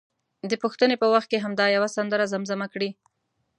د پوښتنې په وخت کې همدا یوه سندره زمزمه کړي.